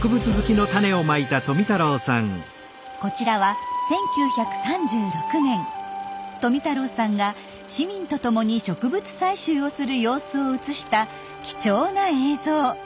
こちらは１９３６年富太郎さんが市民と共に植物採集をする様子を写した貴重な映像。